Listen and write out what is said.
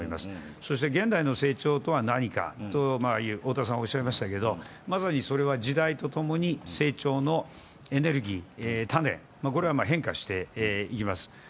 そして、現代の成長とは何かとおっしゃいましたけどまさにそれは時代とともに成長のエネルギー、種、これは変化してきます。